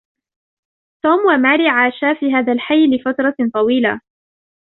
توم و ماري عاشا في هذا الحي لفتره طويله